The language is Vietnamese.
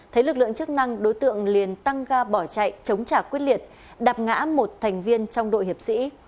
thấy lực lượng chức năng đối tượng liền tăng ga bỏ chạy chống trả quyết liệt đạp ngã một thành viên trong đội hiệp sĩ